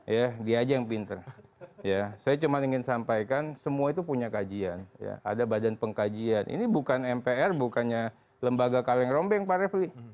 ya dia aja yang pinter ya saya cuma ingin sampaikan semua itu punya kajian ya ada badan pengkajian ini bukan mpr bukannya lembaga kaleng rombeng pak refli